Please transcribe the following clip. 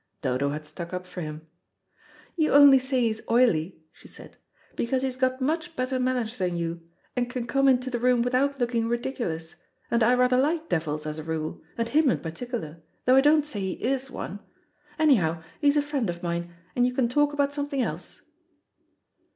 Dodo had stuck up for him. "You only say he's oily," she said, "because he's got much better manners than you, and can come into the room without looking ridiculous, and I rather like devils as a rule, and him in particular, though I don't say he is one. Anyhow he is a friend of mine, and you can talk about something else."